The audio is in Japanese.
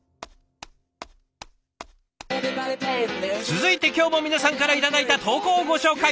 続いて今日も皆さんから頂いた投稿をご紹介